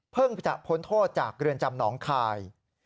จะพ้นโทษจากเรือนจำหนองคาย